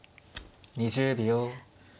２０秒。